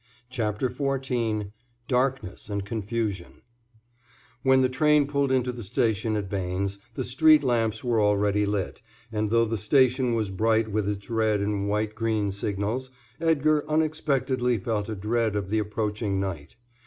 CHAPTER XIV DARKNESS AND CONFUSION When the train pulled into the station at Bains, the street lamps were already lit, and though the station was bright with its red and white and green signals, Edgar unexpectedly felt a dread of the approaching night.